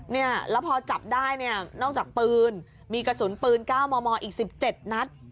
เนี่ยแล้วพอจับได้เนี่ยนอกจากปืนมีกระสุนปืน๙มมอีก๑๗นัด